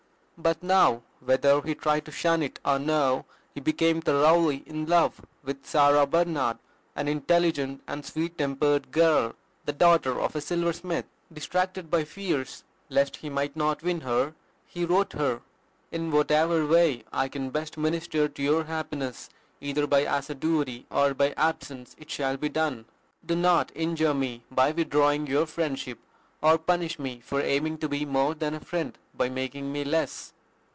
But now, whether he tried to shun it or no, he became thoroughly in love with Sarah Barnard, an intelligent and sweet tempered girl, the daughter of a silversmith. Distracted by fears lest he might not win her, he wrote her. "In whatever way I can best minister to your happiness, either by assiduity or by absence, it shall be done. Do not injure me by withdrawing your friendship, or punish me for aiming to be more than a friend by making me less."